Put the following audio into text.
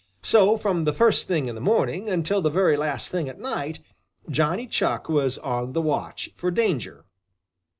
So, from the first thing in the morning until the very last thing at night, Johnny Chuck was on the watch for danger.